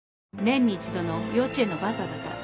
年に一度の幼稚園のバザーだから。